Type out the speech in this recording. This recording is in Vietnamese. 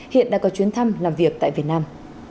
hiện đã có chuyến thăm làm việc tại việt nam